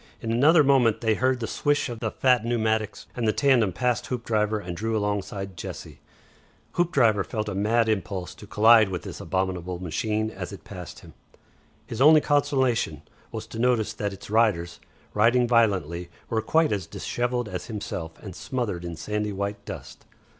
In another moment they heard the swish of the fat pneumatics behind them, and the tandem passed Hoopdriver and drew alongside Jessie. Hoopdriver felt a mad impulse to collide with this abominable machine as it passed him. His only consolation was to notice that its riders, riding violently, were quite as dishevelled as himself and smothered in sandy white dust.